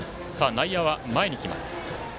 内野は前に来ます。